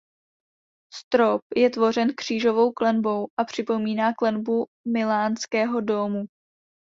Strop je tvořen křížovou klenbou a připomíná klenbu milánského dómu.